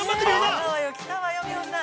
◆来たわよ来たわよ、美穂さん。